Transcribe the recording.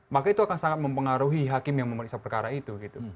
maka itu akan sangat mempengaruhi hakim yang memeriksa perkara itu